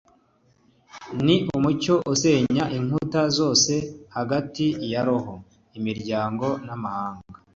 ni umucyo usenya inkuta zose hagati ya roho, imiryango, n'amahanga